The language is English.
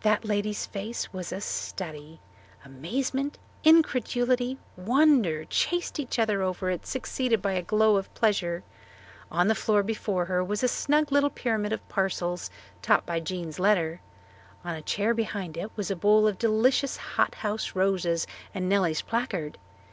That lady's face was a study. Amazement, incredulity, wonder, chased each other over it, succeeded by a glow of pleasure. On the floor before her was a snug little pyramid of parcels topped by Jean's letter. On a chair behind it was a bowl of delicious hot house roses and Nellie's placard.